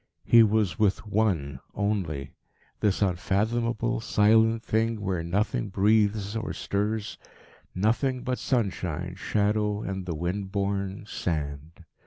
He was with One only this unfathomable, silent thing where nothing breathes or stirs nothing but sunshine, shadow and the wind borne sand.